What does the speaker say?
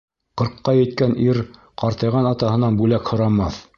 Ҡырҡҡа еткән ир ҡартайған атаһынан бүләк һорамаҫ.